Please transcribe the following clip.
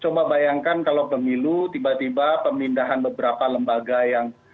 coba bayangkan kalau pemilu tiba tiba pemindahan beberapa lembaga yang